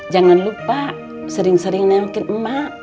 jangan lupa sering sering nemukin emak